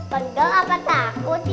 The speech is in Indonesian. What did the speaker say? pegel apa takut ya